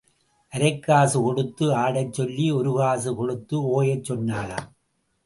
அரைக் காசு கொடுத்து ஆடச் சொல்லி, ஒரு காசு கொடுத்து ஓயச் சொன்னாளாம்.